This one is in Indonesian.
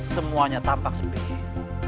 semuanya tampak seperti ini